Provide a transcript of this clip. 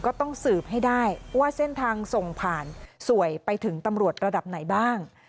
ก็ต้องสืบให้ได้ว่าเส้นทางส่งผ่านสวยไปถึงตำรวจระดับไหนบ้าง